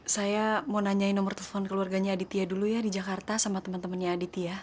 saya mau nanyain nomor telepon keluarganya aditya dulu ya di jakarta sama teman temannya aditya